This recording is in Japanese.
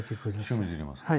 塩水入れますか。